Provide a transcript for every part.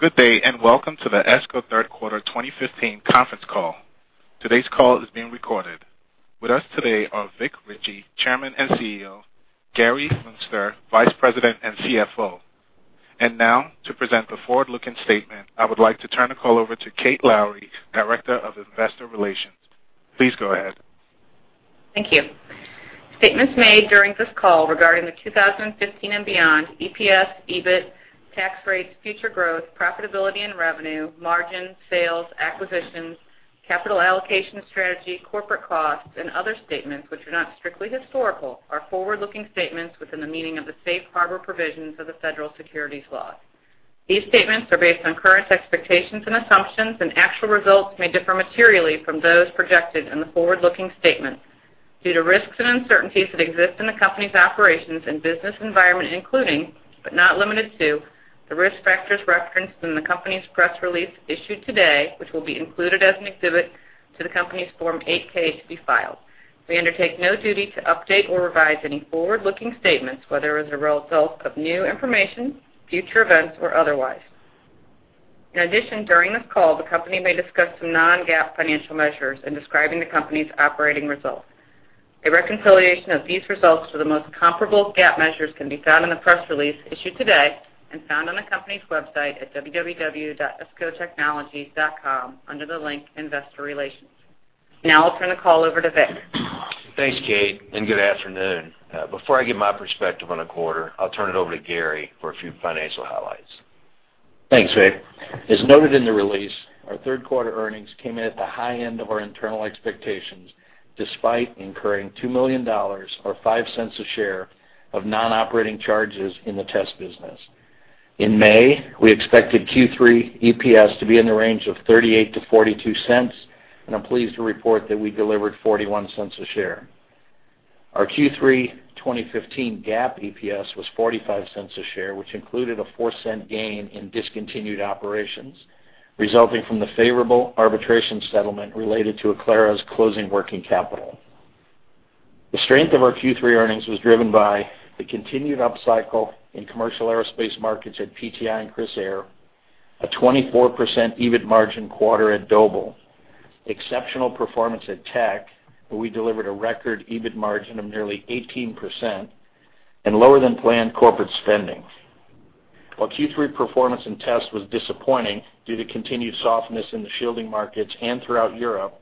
Good day and welcome to the ESCO third quarter 2015 conference call. Today's call is being recorded. With us today are Vic Richey, Chairman and CEO, and Gary Muenster, Vice President and CFO. And now, to present the forward-looking statement, I would like to turn the call over to Kate Lowrey, Director of Investor Relations. Please go ahead. Thank you. Statements made during this call regarding the 2015 and beyond EPS, EBIT, tax rates, future growth, profitability and revenue, margins, sales, acquisitions, capital allocation strategy, corporate costs, and other statements which are not strictly historical are forward-looking statements within the meaning of the safe harbor provisions of the Federal Securities Laws. These statements are based on current expectations and assumptions, and actual results may differ materially from those projected in the forward-looking statement due to risks and uncertainties that exist in the company's operations and business environment, including, but not limited to, the risk factors referenced in the company's press release issued today, which will be included as an exhibit to the company's Form 8-K to be filed. We undertake no duty to update or revise any forward-looking statements, whether as a result of new information, future events, or otherwise. In addition, during this call, the company may discuss some non-GAAP financial measures in describing the company's operating results. A reconciliation of these results to the most comparable GAAP measures can be found in the press release issued today and found on the company's website at www.escotechnologies.com under the link Investor Relations. Now I'll turn the call over to Vic. Thanks, Kate, and good afternoon. Before I give my perspective on a quarter, I'll turn it over to Gary for a few financial highlights. Thanks, Vic. As noted in the release, our third quarter earnings came in at the high end of our internal expectations despite incurring $2 million or $0.05 a share of non-operating charges in the test business. In May, we expected Q3 EPS to be in the range of $0.38-$0.42, and I'm pleased to report that we delivered $0.41 a share. Our Q3 2015 GAAP EPS was $0.45 a share, which included a $0.04 gain in discontinued operations resulting from the favorable arbitration settlement related to Aclara's closing working capital. The strength of our Q3 earnings was driven by the continued upcycle in commercial aerospace markets at PTI and Crissair, a 24% EBIT margin quarter at Doble, exceptional performance at TEQ, where we delivered a record EBIT margin of nearly 18% and lower than planned corporate spending. While Q3 performance in test was disappointing due to continued softness in the shielding markets and throughout Europe,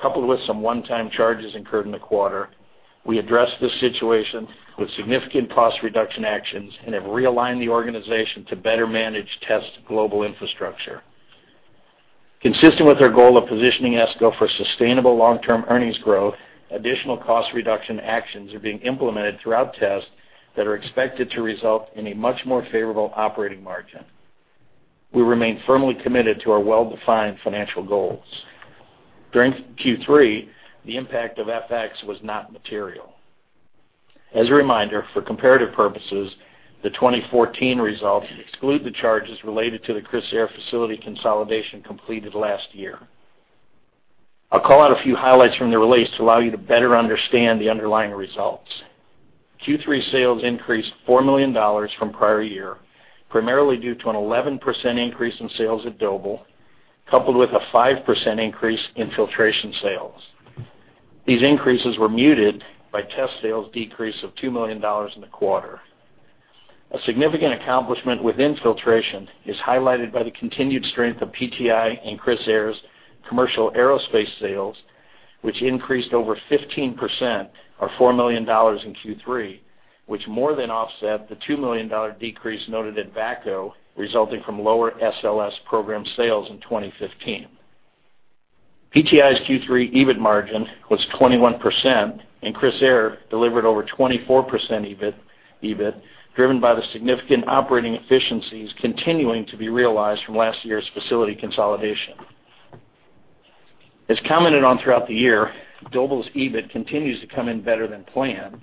coupled with some one-time charges incurred in the quarter, we addressed this situation with significant cost reduction actions and have realigned the organization to better manage test global infrastructure. Consistent with our goal of positioning ESCO for sustainable long-term earnings growth, additional cost reduction actions are being implemented throughout test that are expected to result in a much more favorable operating margin. We remain firmly committed to our well-defined financial goals. During Q3, the impact of FX was not material. As a reminder, for comparative purposes, the 2014 results exclude the charges related to the Crissair facility consolidation completed last year. I'll call out a few highlights from the release to allow you to better understand the underlying results. Q3 sales increased $4 million from prior year, primarily due to an 11% increase in sales at Doble, coupled with a 5% increase in filtration sales. These increases were muted by test sales decrease of $2 million in the quarter. A significant accomplishment with filtration is highlighted by the continued strength of PTI and Crissair's commercial aerospace sales, which increased over 15% or $4 million in Q3, which more than offset the $2 million decrease noted at VACCO resulting from lower SLS program sales in 2015. PTI's Q3 EBIT margin was 21%, and Crissair delivered over 24% EBIT, driven by the significant operating efficiencies continuing to be realized from last year's facility consolidation. As commented on throughout the year, Doble's EBIT continues to come in better than planned,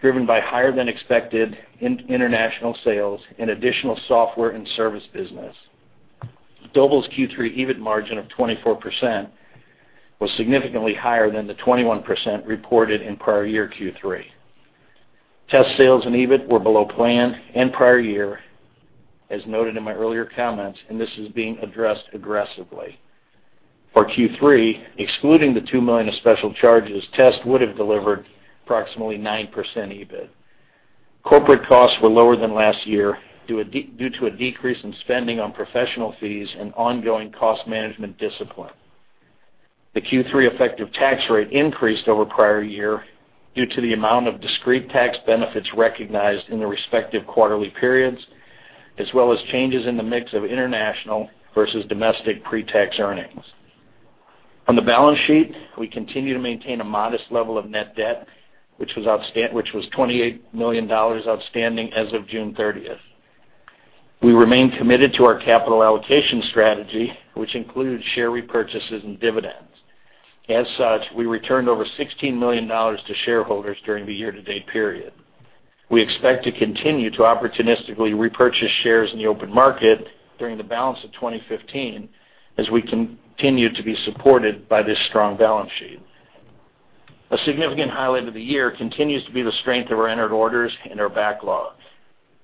driven by higher than expected international sales and additional software and service business. Doble's Q3 EBIT margin of 24% was significantly higher than the 21% reported in prior year Q3. Test sales and EBIT were below planned and prior year, as noted in my earlier comments, and this is being addressed aggressively. For Q3, excluding the $2 million of special charges, test would have delivered approximately 9% EBIT. Corporate costs were lower than last year due to a decrease in spending on professional fees and ongoing cost management discipline. The Q3 effective tax rate increased over prior year due to the amount of discrete tax benefits recognized in the respective quarterly periods, as well as changes in the mix of international versus domestic pre-tax earnings. On the balance sheet, we continue to maintain a modest level of net debt, which was $28 million outstanding as of June 30th. We remain committed to our capital allocation strategy, which includes share repurchases and dividends. As such, we returned over $16 million to shareholders during the year-to-date period. We expect to continue to opportunistically repurchase shares in the open market during the balance of 2015 as we continue to be supported by this strong balance sheet. A significant highlight of the year continues to be the strength of our entered orders and our backlog.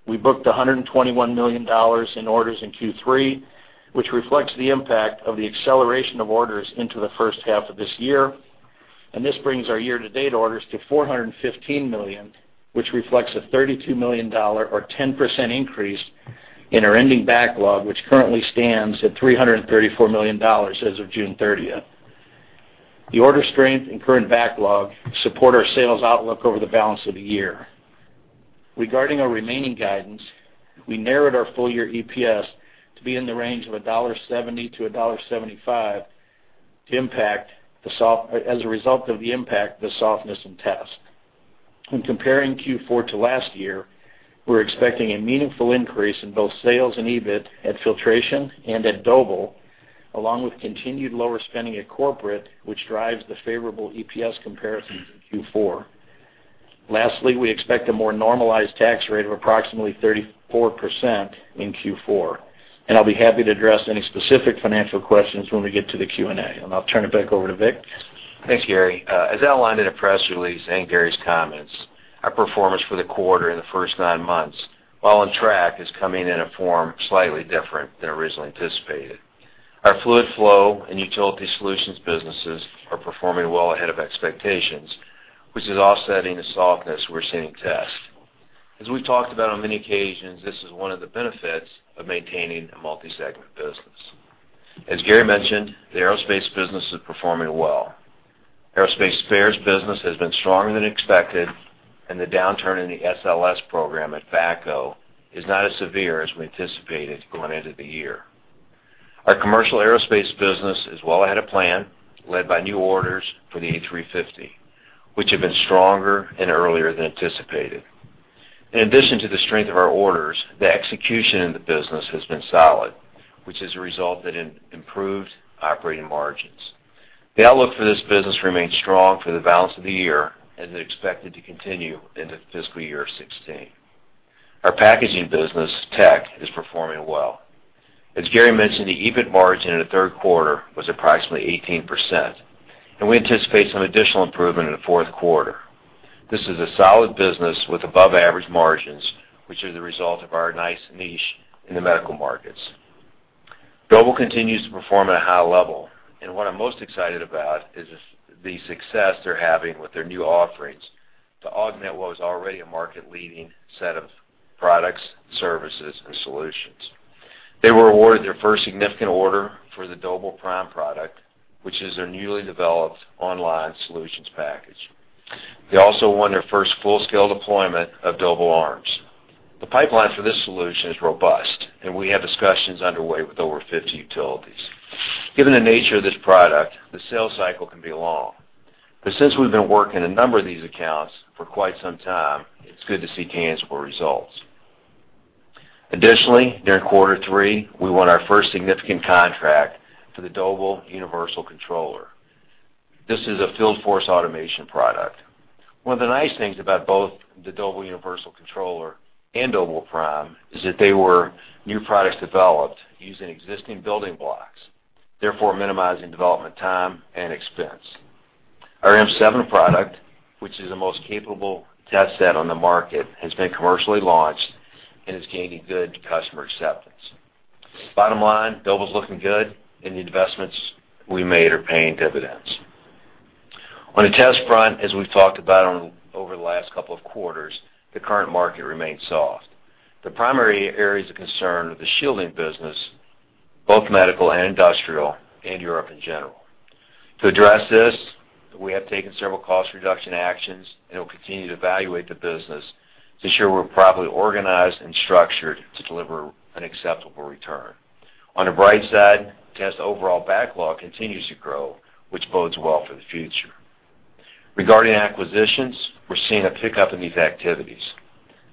We booked $121 million in orders in Q3, which reflects the impact of the acceleration of orders into the first half of this year, and this brings our year-to-date orders to $415 million, which reflects a $32 million or 10% increase in our ending backlog, which currently stands at $334 million as of June 30th. The order strength and current backlog support our sales outlook over the balance of the year. Regarding our remaining guidance, we narrowed our full-year EPS to be in the range of $1.70-$1.75 as a result of the impact of the softness in test. When comparing Q4 to last year, we're expecting a meaningful increase in both sales and EBIT at filtration and at Doble, along with continued lower spending at corporate, which drives the favorable EPS comparison to Q4. Lastly, we expect a more normalized tax rate of approximately 34% in Q4, and I'll be happy to address any specific financial questions when we get to the Q&A. And I'll turn it back over to Vic. Thanks, Gary. As outlined in the press release and Gary's comments, our performance for the quarter in the first nine months, while on track, is coming in a form slightly different than originally anticipated. Our fluid flow and utility solutions businesses are performing well ahead of expectations, which is offsetting the softness we're seeing in test. As we've talked about on many occasions, this is one of the benefits of maintaining a multi-segment business. As Gary mentioned, the aerospace business is performing well. Aerospace spares business has been stronger than expected, and the downturn in the SLS program at VACCO is not as severe as we anticipated going into the year. Our commercial aerospace business is well ahead of plan, led by new orders for the A350, which have been stronger and earlier than anticipated. In addition to the strength of our orders, the execution in the business has been solid, which is a result that improved operating margins. The outlook for this business remains strong for the balance of the year as expected to continue into fiscal year 2016. Our packaging business, TEQ, is performing well. As Gary mentioned, the EBIT margin in the third quarter was approximately 18%, and we anticipate some additional improvement in the fourth quarter. This is a solid business with above-average margins, which is the result of our nice niche in the medical markets. Doble continues to perform at a high level, and what I'm most excited about is the success they're having with their new offerings to augment what was already a market-leading set of products, services, and solutions. They were awarded their first significant order for the Doble PRIME product, which is their newly developed online solutions package. They also won their first full-scale deployment of Doble ARMS. The pipeline for this solution is robust, and we have discussions underway with over 50 utilities. Given the nature of this product, the sales cycle can be long, but since we've been working a number of these accounts for quite some time, it's good to see tangible results. Additionally, during quarter three, we won our first significant contract for the Doble Universal Controller. This is a field-force automation product. One of the nice things about both the Doble Universal Controller and Doble PRIME is that they were new products developed using existing building blocks, therefore minimizing development time and expense. Our M7 product, which is the most capable test set on the market, has been commercially launched and is gaining good customer acceptance. Bottom line, Doble's looking good, and the investments we made are paying dividends. On the test front, as we've talked about over the last couple of quarters, the current market remains soft. The primary areas of concern are the shielding business, both medical and industrial, and Europe in general. To address this, we have taken several cost reduction actions and will continue to evaluate the business to ensure we're properly organized and structured to deliver an acceptable return. On the bright side, test overall backlog continues to grow, which bodes well for the future. Regarding acquisitions, we're seeing a pickup in these activities.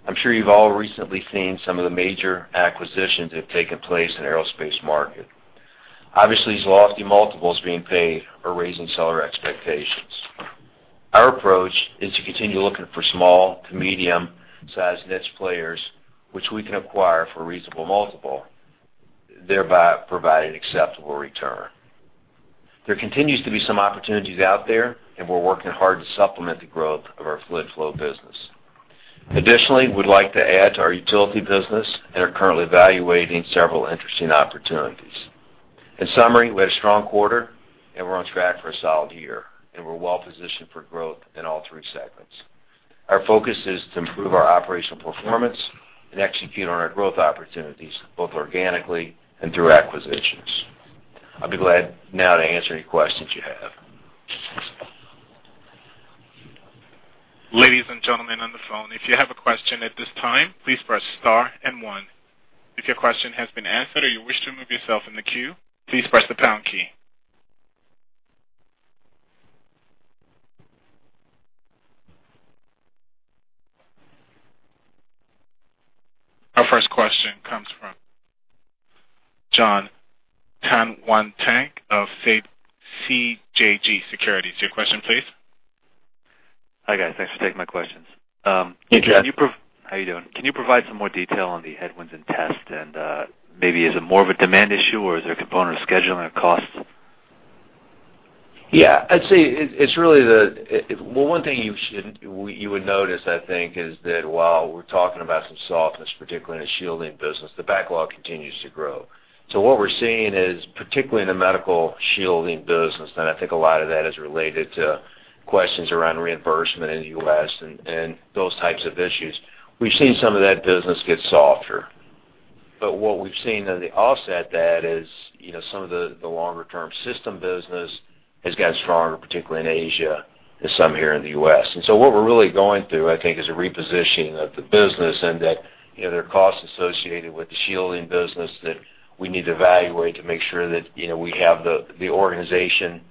I'm sure you've all recently seen some of the major acquisitions that have taken place in the aerospace market. Obviously, these lofty multiples being paid are raising seller expectations. Our approach is to continue looking for small to medium-sized niche players, which we can acquire for a reasonable multiple, thereby providing acceptable return. There continues to be some opportunities out there, and we're working hard to supplement the growth of our fluid flow business. Additionally, we'd like to add to our utility business, and we're currently evaluating several interesting opportunities. In summary, we had a strong quarter, and we're on track for a solid year, and we're well positioned for growth in all three segments. Our focus is to improve our operational performance and execute on our growth opportunities, both organically and through acquisitions. I'll be glad now to answer any questions you have. Ladies and gentlemen on the phone, if you have a question at this time, please press star and one. If your question has been answered or you wish to move yourself in the queue, please press the pound key. Our first question comes from Jon Tanwanteng of CJS Securities. Your question, please. Hi guys. Thanks for taking my questions. Hey Jeff. How are you doing? Can you provide some more detail on the headwinds in test and, maybe is it more of a demand issue or is there a component of scheduling or costs? Yeah. I'd say it's really well, one thing you would notice, I think, is that while we're talking about some softness, particularly in the shielding business, the backlog continues to grow. So what we're seeing is, particularly in the medical shielding business, and I think a lot of that is related to questions around reimbursement in the U.S. and those types of issues, we've seen some of that business get softer. But what we've seen on the offset that is, you know, some of the longer-term system business has gotten stronger, particularly in Asia, and some here in the U.S. And so what we're really going through, I think, is a repositioning of the business and that, you know, there are costs associated with the shielding business that we need to evaluate to make sure that, you know, we have the organization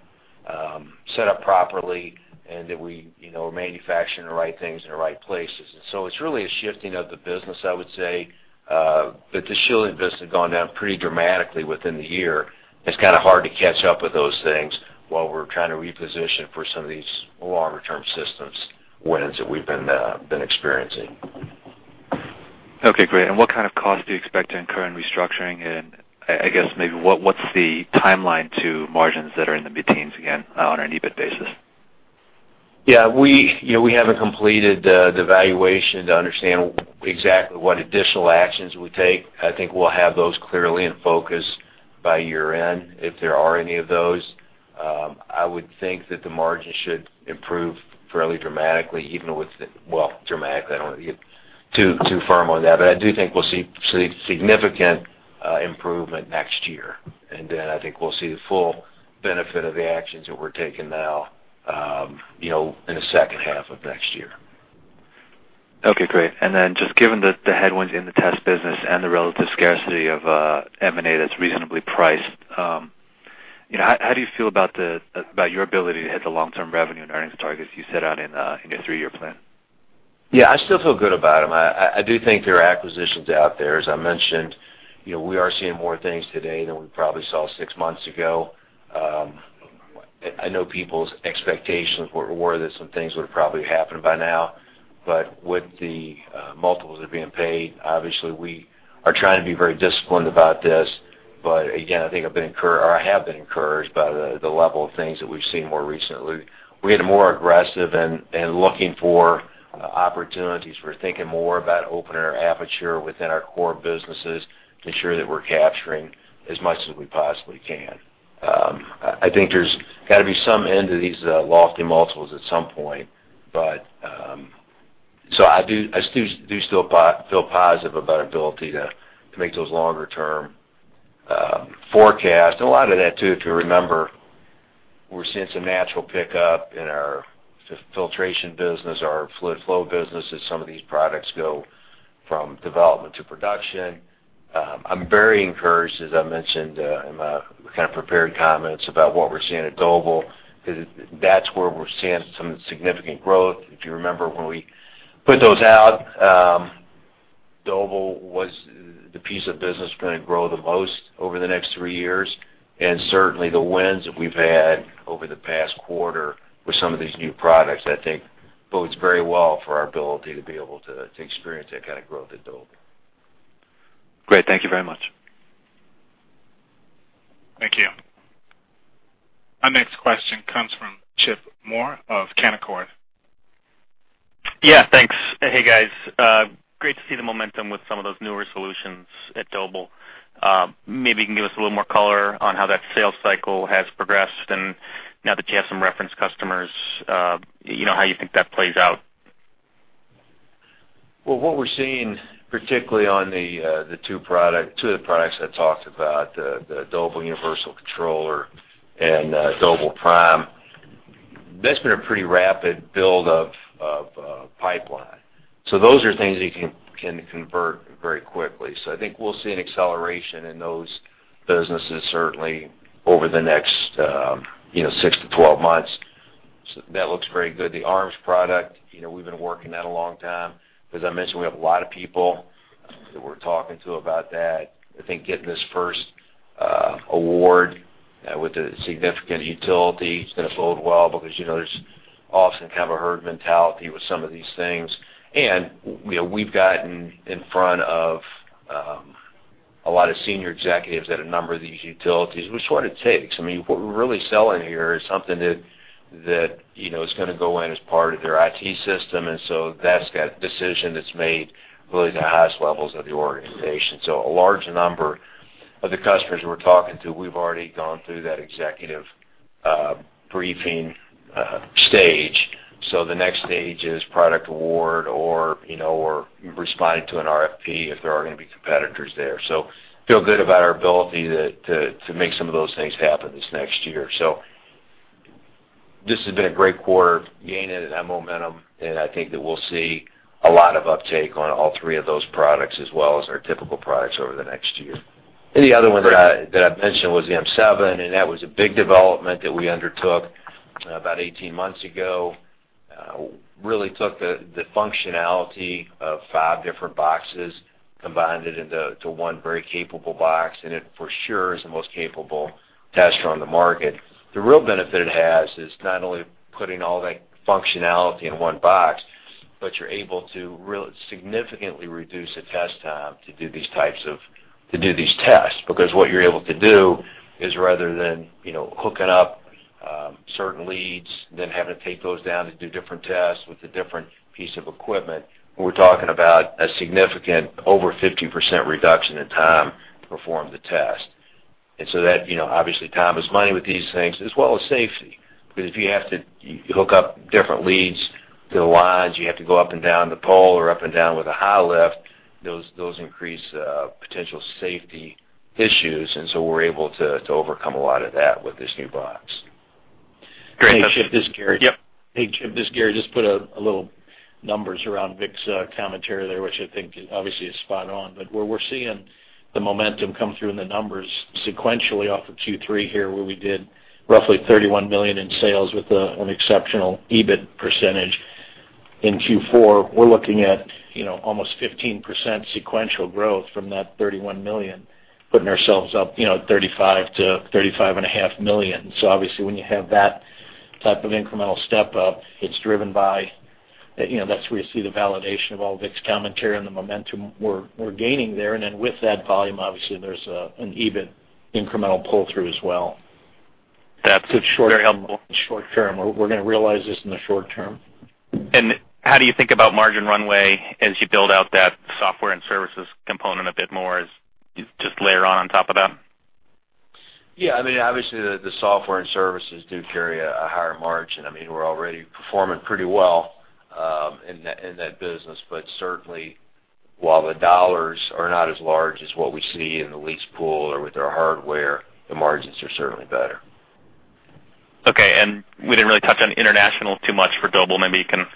set up properly and that we, you know, are manufacturing the right things in the right places. And so it's really a shifting of the business, I would say, but the shielding business has gone down pretty dramatically within the year. It's kind of hard to catch up with those things while we're trying to reposition for some of these longer-term systems wins that we've been experiencing. Okay. Great. What kind of costs do you expect to incur in restructuring? I guess maybe what's the timeline to margins that are in the 20s again on an EBIT basis? Yeah. We, you know, we haven't completed the evaluation to understand exactly what additional actions we take. I think we'll have those clearly in focus by year-end if there are any of those. I would think that the margins should improve fairly dramatically, even with the well, dramatically. I don't want to get too firm on that, but I do think we'll see significant improvement next year. And then I think we'll see the full benefit of the actions that we're taking now, you know, in the second half of next year. Okay. Great. And then just given the headwinds in the test business and the relative scarcity of M&A that's reasonably priced, you know, how do you feel about your ability to hit the long-term revenue and earnings targets you set out in your three-year plan? Yeah. I still feel good about them. I do think there are acquisitions out there. As I mentioned, you know, we are seeing more things today than we probably saw six months ago. I know people's expectations were that some things would have probably happened by now, but with the multiples that are being paid, obviously, we are trying to be very disciplined about this. But again, I think I've been encouraged or I have been encouraged by the level of things that we've seen more recently. We're getting more aggressive and looking for opportunities for thinking more about opening our aperture within our core businesses to ensure that we're capturing as much as we possibly can. I think there's got to be some end to these lofty multiples at some point, but, so I do still feel positive about our ability to make those longer-term forecasts. And a lot of that too, if you remember, we're seeing some natural pickup in our filtration business, our fluid flow business, as some of these products go from development to production. I'm very encouraged, as I mentioned, in my kind of prepared comments about what we're seeing at Doble because that's where we're seeing some significant growth. If you remember when we put those out, Doble was the piece of business going to grow the most over the next three years. And certainly, the wins that we've had over the past quarter with some of these new products, I think, bodes very well for our ability to be able to experience that kind of growth at Doble. Great. Thank you very much. Thank you. Our next question comes from Chip Moore of Canaccord. Yeah. Thanks. Hey guys. Great to see the momentum with some of those newer solutions at Doble. Maybe you can give us a little more color on how that sales cycle has progressed and now that you have some reference customers, you know how you think that plays out. Well, what we're seeing, particularly on the two products I talked about, the Doble Universal Controller and Doble PRIME, that's been a pretty rapid build of pipeline. So those are things that you can convert very quickly. So I think we'll see an acceleration in those businesses, certainly, over the next 6-12 months. So that looks very good. The Doble ARMS product, you know, we've been working that a long time. As I mentioned, we have a lot of people that we're talking to about that. I think getting this first award with a significant utility is going to bode well because, you know, there's often kind of a herd mentality with some of these things. And we've gotten in front of a lot of senior executives at a number of these utilities, which is what it takes. I mean, what we're really selling here is something that, you know, is going to go in as part of their IT system. And so that's got a decision that's made really at the highest levels of the organization. So a large number of the customers we're talking to, we've already gone through that executive briefing stage. So the next stage is product award or, you know, we're responding to an RFP if there are going to be competitors there. So I feel good about our ability to make some of those things happen this next year. So this has been a great quarter, gaining at that momentum. And I think that we'll see a lot of uptake on all three of those products as well as our typical products over the next year. And the other one that I mentioned was the M7, and that was a big development that we undertook about 18 months ago. Really took the functionality of five different boxes, combined it into one very capable box, and it for sure is the most capable test set on the market. The real benefit it has is not only putting all that functionality in one box, but you're able to significantly reduce the test time to do these types of tests because what you're able to do is, rather than, you know, hooking up certain leads, then having to take those down to do different tests with a different piece of equipment, we're talking about a significant over 50% reduction in time to perform the test. And so, you know, obviously, time is money with these things, as well as safety because if you have to hook up different leads to the lines, you have to go up and down the pole or up and down with a high lift, those increase potential safety issues. We're able to overcome a lot of that with this new box. Great. Hey, Chip. This is Gary. Yep. Hey, Chip. This is Gary. Just put a little numbers around Vic's commentary there, which I think obviously is spot on. But we're seeing the momentum come through in the numbers sequentially off of Q3 here, where we did roughly $31 million in sales with an exceptional EBIT percentage. In Q4, we're looking at almost 15% sequential growth from that $31 million, putting ourselves up at $35-$35.5 million. So obviously, when you have that type of incremental step up, it's driven by that's where you see the validation of all Vic's commentary and the momentum we're gaining there. And then with that volume, obviously, there's an EBIT incremental pull-through as well. That's very helpful. It's short-term. We're going to realize this in the short term. How do you think about margin runway as you build out that software and services component a bit more as just layer on on top of that? Yeah. I mean, obviously, the software and services do carry a higher margin. I mean, we're already performing pretty well in that business. But certainly, while the dollars are not as large as what we see in the lease pool or with our hardware, the margins are certainly better. Okay. We didn't really touch on international too much for Doble. Maybe you can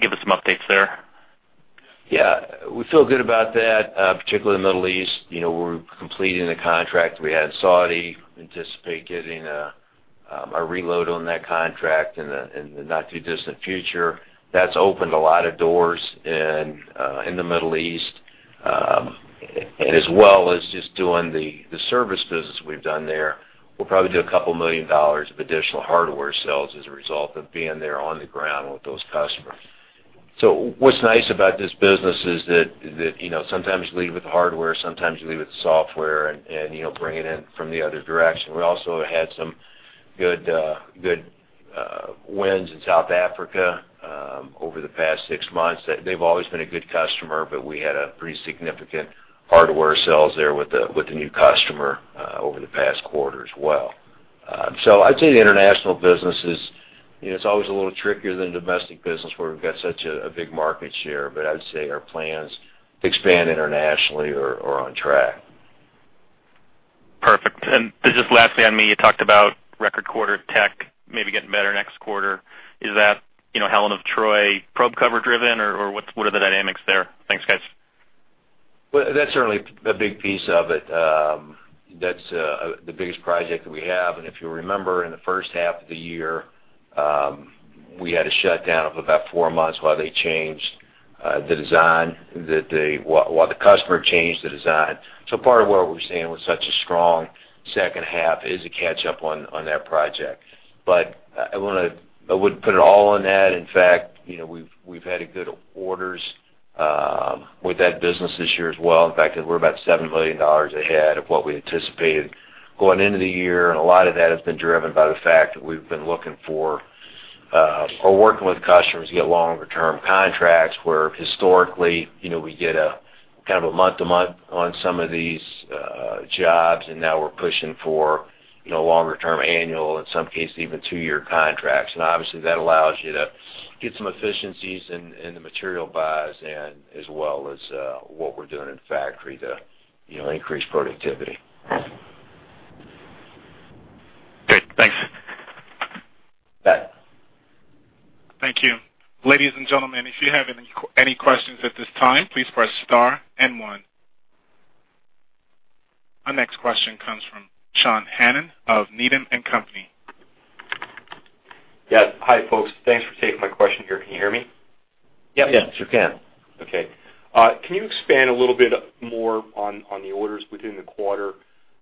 give us some updates there. Yeah. We feel good about that, particularly the Middle East. We're completing the contract. We had said we anticipate getting a reload on that contract in the not too distant future. That's opened a lot of doors in the Middle East. And as well as just doing the service business we've done there, we'll probably do $2 million of additional hardware sales as a result of being there on the ground with those customers. So what's nice about this business is that, you know, sometimes you leave with the hardware, sometimes you leave with the software and bring it in from the other direction. We also had some good wins in South Africa over the past six months. They've always been a good customer, but we had pretty significant hardware sales there with the new customer over the past quarter as well. So, I'd say the international business is, it's always a little trickier than the domestic business where we've got such a big market share. But I'd say our plans to expand internationally are on track. Perfect. And just lastly on me, you talked about record quarter TEQ, maybe getting better next quarter. Is that Helen of Troy probe cover driven or what are the dynamics there? Thanks, guys. Well, that's certainly a big piece of it. That's the biggest project that we have. And if you remember, in the first half of the year, we had a shutdown of about four months while they changed the design while the customer changed the design. So part of what we're seeing with such a strong second half is a catch-up on that project. But I wouldn't put it all on that. In fact, we've had good orders with that business this year as well. In fact, we're about $7 million ahead of what we anticipated going into the year. And a lot of that has been driven by the fact that we've been looking for or working with customers to get longer-term contracts where historically, we get kind of a month-to-month on some of these jobs. And now we're pushing for longer-term annual, in some cases, even two-year contracts. Obviously, that allows you to get some efficiencies in the material buys as well as what we're doing in factory to increase productivity. Great. Thanks. Bet. Thank you. Ladies and gentlemen, if you have any questions at this time, please press star and one. Our next question comes from Sean Hannan of Needham & Company. Yes. Hi, folks. Thanks for taking my question here. Can you hear me? Yep. Yeah. Sure can. Okay. Can you expand a little bit more on the orders within the quarter?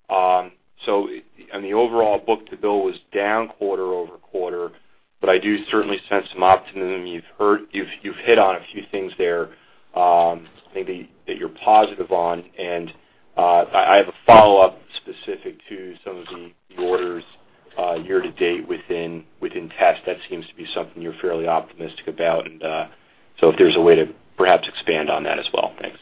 So on the overall book-to-bill, it was down quarter-over-quarter, but I do certainly sense some optimism. You've hit on a few things there that you're positive on. And I have a follow-up specific to some of the orders year-to-date within test. That seems to be something you're fairly optimistic about. And so if there's a way to perhaps expand on that as well. Thanks.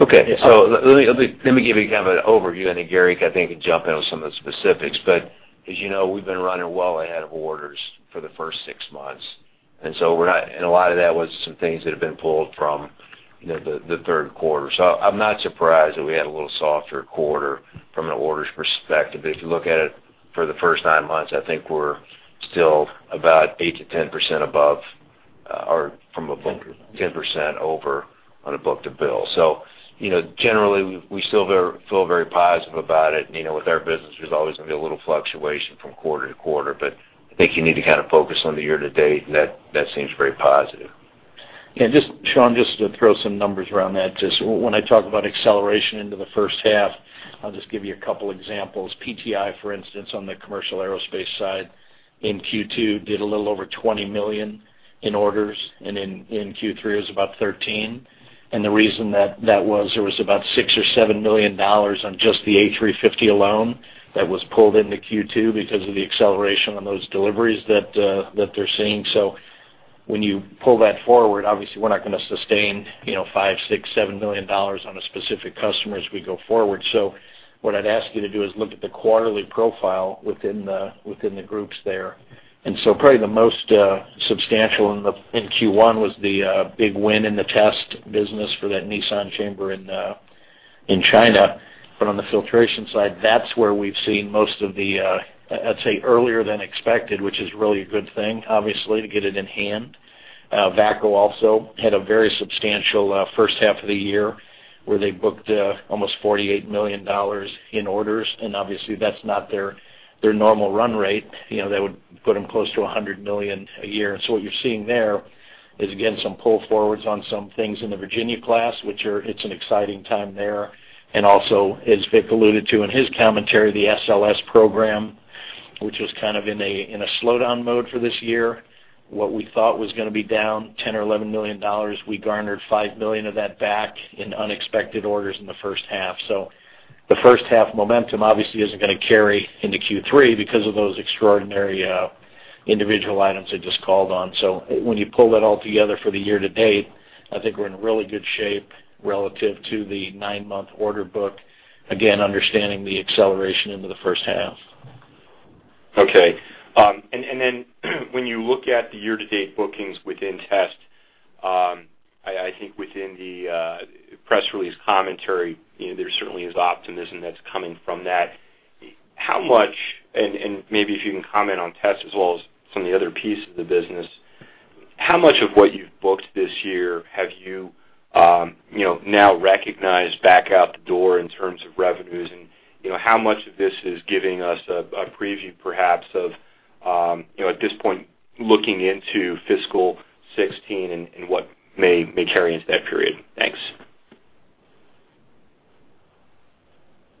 Okay. So let me give you kind of an overview. I think Gary, I think, can jump in with some of the specifics. But as you know, we've been running well ahead of orders for the first six months. And so we're not and a lot of that was some things that have been pulled from the third quarter. So I'm not surprised that we had a little softer quarter from an orders perspective. But if you look at it for the first nine months, I think we're still about 8%-10% above or from a book 10% over on a book-to-bill. So generally, we still feel very positive about it. With our business, there's always going to be a little fluctuation from quarter to quarter. But I think you need to kind of focus on the year-to-date, and that seems very positive. Yeah. Sean, just to throw some numbers around that. When I talk about acceleration into the first half, I'll just give you a couple of examples. PTI, for instance, on the commercial aerospace side in Q2 did a little over $20 million in orders. And in Q3, it was about $13 million. And the reason that that was, there was about $6 million or $7 million on just the A350 alone that was pulled into Q2 because of the acceleration on those deliveries that they're seeing. So when you pull that forward, obviously, we're not going to sustain $5 million, $6 million, $7 million on a specific customer as we go forward. So what I'd ask you to do is look at the quarterly profile within the groups there. And so probably the most substantial in Q1 was the big win in the test business for that Nissan chamber in China. But on the filtration side, that's where we've seen most of the, I'd say, earlier than expected, which is really a good thing, obviously, to get it in hand. VACCO also had a very substantial first half of the year where they booked almost $48 million in orders. And obviously, that's not their normal run rate. That would put them close to $100 million a year. And so what you're seeing there is, again, some pull-forwards on some things in the Virginia class, which it's an exciting time there. And also, as Vic alluded to in his commentary, the SLS program, which was kind of in a slowdown mode for this year, what we thought was going to be down $10 million-$11 million, we garnered $5 million of that back in unexpected orders in the first half. The first half momentum, obviously, isn't going to carry into Q3 because of those extraordinary individual items I just called on. When you pull that all together for the year-to-date, I think we're in really good shape relative to the nine-month order book, again, understanding the acceleration into the first half. Okay. Then when you look at the year-to-date bookings within test, I think within the press release commentary, there certainly is optimism that's coming from that. Maybe if you can comment on test as well as some of the other pieces of the business, how much of what you've booked this year have you now recognized back out the door in terms of revenues? How much of this is giving us a preview, perhaps, of at this point, looking into fiscal 2016 and what may carry into that period? Thanks.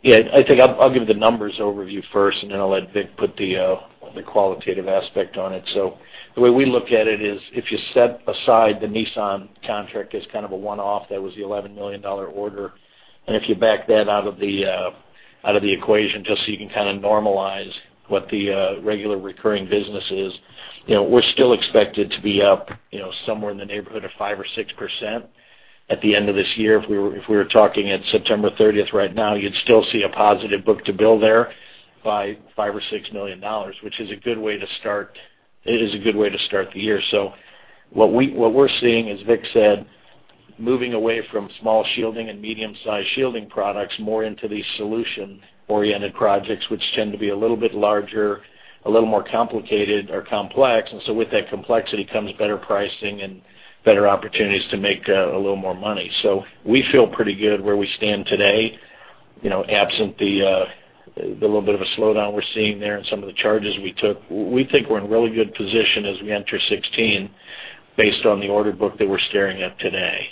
Yeah. I think I'll give the numbers overview first, and then I'll let Vic put the qualitative aspect on it. So the way we look at it is if you set aside the Nissan contract as kind of a one-off that was the $11 million order, and if you back that out of the equation just so you can kind of normalize what the regular recurring business is, we're still expected to be up somewhere in the neighborhood of 5%-6% at the end of this year. If we were talking at September 30th right now, you'd still see a positive book-to-bill there by $5 million-$6 million, which is a good way to start it. It is a good way to start the year. So what we're seeing is, Vic said, moving away from small shielding and medium-sized shielding products, more into these solution-oriented projects, which tend to be a little bit larger, a little more complicated or complex. And so with that complexity comes better pricing and better opportunities to make a little more money. So we feel pretty good where we stand today, absent the little bit of a slowdown we're seeing there and some of the charges we took. We think we're in really good position as we enter 2016 based on the order book that we're staring at today.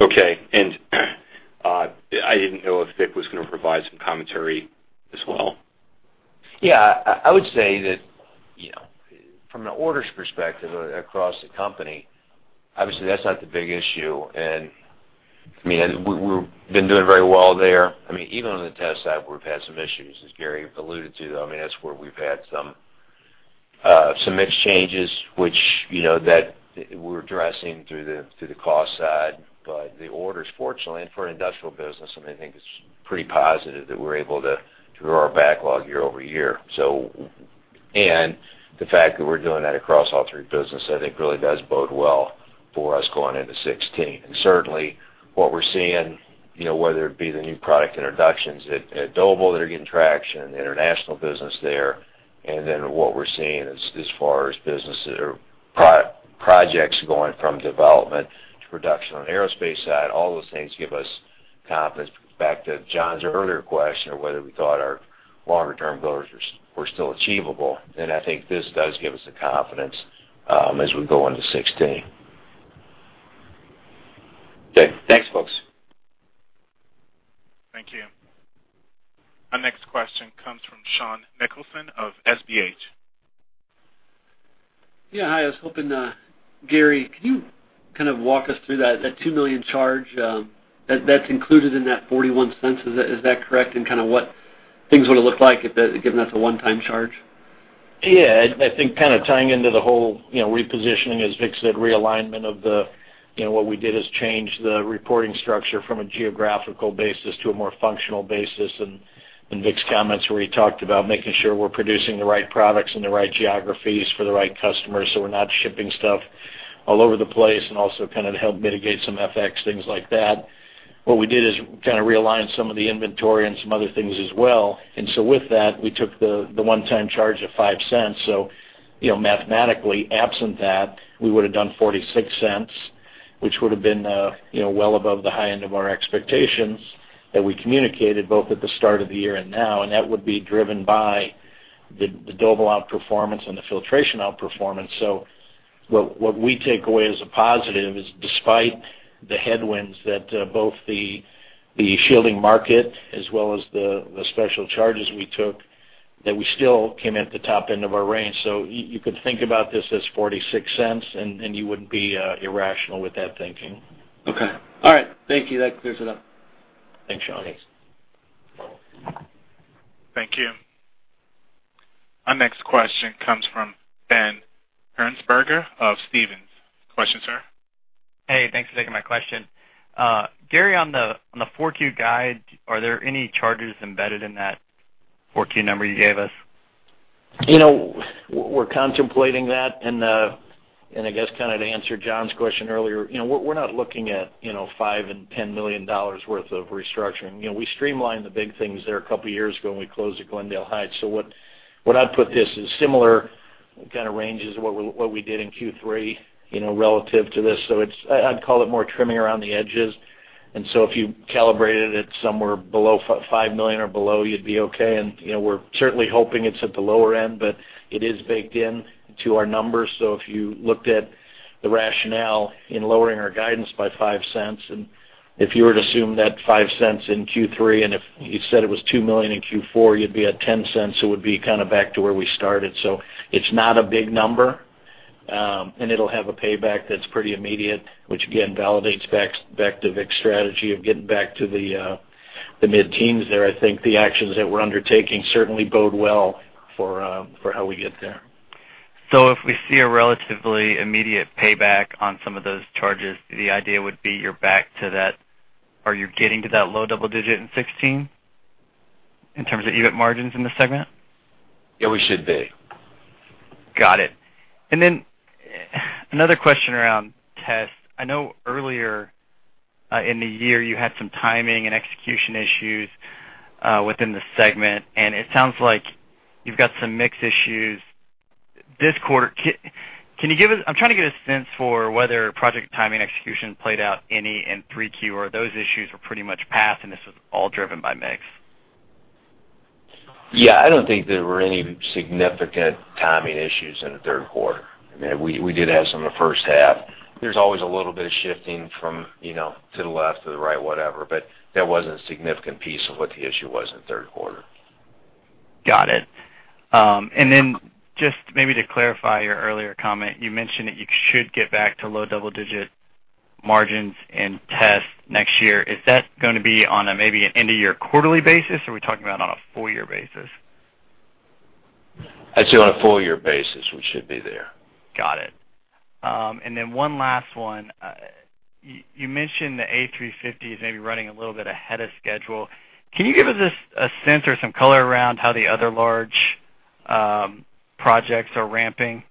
Okay. I didn't know if Vic was going to provide some commentary as well. Yeah. I would say that from an orders perspective across the company, obviously, that's not the big issue. And I mean, we've been doing very well there. I mean, even on the test side, we've had some issues, as Gary alluded to, though. I mean, that's where we've had some mixed changes, which we're addressing through the cost side. But the orders, fortunately, and for an industrial business, I mean, I think it's pretty positive that we're able to grow our backlog year-over-year. And the fact that we're doing that across all three businesses, I think, really does bode well for us going into 2016. Certainly, what we're seeing, whether it be the new product introductions at Doble that are getting traction, the international business there, and then what we're seeing as far as projects going from development to production on the aerospace side, all those things give us confidence. Back to Jon's earlier question of whether we thought our longer-term goals were still achievable, then I think this does give us the confidence as we go into 2016. Okay. Thanks, folks. Thank you. Our next question comes from Sean Nicholson of SBH. Yeah. Hi. I was hoping Gary, can you kind of walk us through that $2 million charge that's included in that $0.41? Is that correct? And kind of what things would have looked like given that's a one-time charge? Yeah. I think kind of tying into the whole repositioning, as Vic said, realignment of what we did is change the reporting structure from a geographical basis to a more functional basis. Vic's comments where he talked about making sure we're producing the right products in the right geographies for the right customers so we're not shipping stuff all over the place and also kind of help mitigate some FX, things like that. What we did is kind of realign some of the inventory and some other things as well. So with that, we took the one-time charge of $0.05. So mathematically, absent that, we would have done $0.46, which would have been well above the high end of our expectations that we communicated both at the start of the year and now. And that would be driven by the Doble outperformance and the filtration outperformance. What we take away as a positive is despite the headwinds that both the shielding market as well as the special charges we took, that we still came at the top end of our range. You could think about this as $0.46, and you wouldn't be irrational with that thinking. Okay. All right. Thank you. That clears it up. Thanks, Sean. Thanks. Thank you. Our next question comes from Ben Hearnsberger of Stephens. Question, sir. Hey. Thanks for taking my question. Gary, on the 4Q guide, are there any charges embedded in that 4Q number you gave us? We're contemplating that. And I guess kind of to answer Jon's question earlier, we're not looking at $5-$10 million worth of restructuring. We streamlined the big things there a couple of years ago, and we closed at Glendale Heights. So what I'd put this is similar kind of ranges to what we did in Q3 relative to this. So I'd call it more trimming around the edges. And so if you calibrated it somewhere below $5 million or below, you'd be okay. And we're certainly hoping it's at the lower end, but it is baked into our numbers. So if you looked at the rationale in lowering our guidance by $0.05 and if you were to assume that $0.05 in Q3 and if you said it was $2 million in Q4, you'd be at $0.10. It would be kind of back to where we started. So it's not a big number, and it'll have a payback that's pretty immediate, which, again, validates back to Vic's strategy of getting back to the mid-teens there. I think the actions that we're undertaking certainly bode well for how we get there. So if we see a relatively immediate payback on some of those charges, the idea would be you're back to that. Are you getting to that low double-digit in 2016 in terms of EBIT margins in the segment? Yeah. We should be. Got it. And then another question around test. I know earlier in the year, you had some timing and execution issues within the segment, and it sounds like you've got some mix issues this quarter. Can you give us? I'm trying to get a sense for whether project timing execution played out any in 3Q or those issues were pretty much passed, and this was all driven by mix? Yeah. I don't think there were any significant timing issues in the third quarter. I mean, we did have some in the first half. There's always a little bit of shifting from to the left, to the right, whatever, but that wasn't a significant piece of what the issue was in third quarter. Got it. And then just maybe to clarify your earlier comment, you mentioned that you should get back to low double digit margins in test next year. Is that going to be on maybe an end-of-year quarterly basis, or are we talking about on a full-year basis? I'd say on a full-year basis, we should be there. Got it. And then one last one. You mentioned the A350 is maybe running a little bit ahead of schedule. Can you give us a sense or some color around how the other large projects are ramping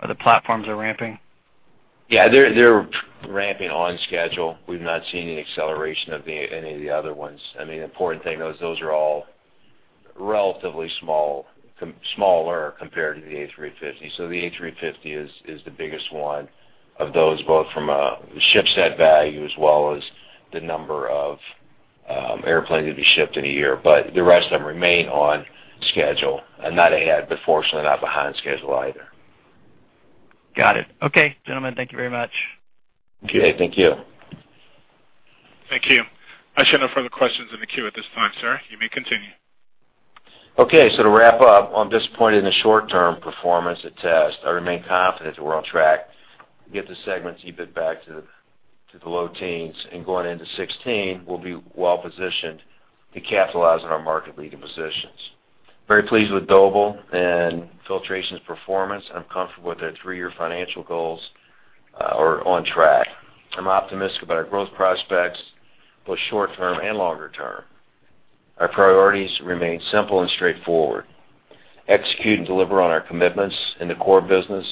or the platforms are ramping? Yeah. They're ramping on schedule. We've not seen any acceleration of any of the other ones. I mean, the important thing, those are all relatively small or compared to the A350. So the A350 is the biggest one of those, both from the ship set value as well as the number of airplanes that'd be shipped in a year. But the rest of them remain on schedule, not ahead, but fortunately, not behind schedule either. Got it. Okay, gentlemen. Thank you very much. Okay. Thank you. Thank you. I shouldn't have further questions in the queue at this time, sir. You may continue. Okay. So to wrap up, I'm disappointed in the short-term performance at test. I remain confident that we're on track to get the segments even back to the low teens. And going into 2016, we'll be well-positioned to capitalize on our market-leading positions. Very pleased with Doble and filtration's performance. I'm comfortable with their three-year financial goals or on track. I'm optimistic about our growth prospects, both short-term and longer-term. Our priorities remain simple and straightforward: execute and deliver on our commitments in the core business,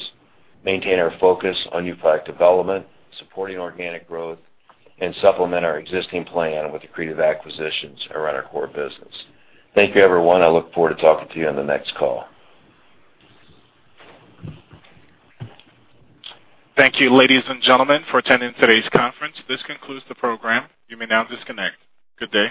maintain our focus on new product development, supporting organic growth, and supplement our existing plan with the creative acquisitions around our core business. Thank you, everyone. I look forward to talking to you on the next call. Thank you, ladies and gentlemen, for attending today's conference. This concludes the program. You may now disconnect. Good day.